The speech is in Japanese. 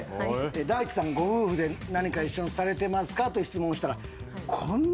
大地さんご夫婦で何か一緒にされてますかと質問したらこんなおしゃれな答えが。